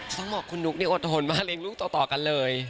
ต้องบอกคุณนุ๊กนี่อดทนมากเลี้ยงลูกต่อกันเลย